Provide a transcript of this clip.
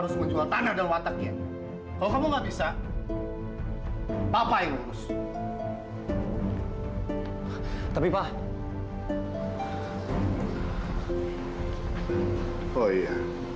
sampai jumpa di video selanjutnya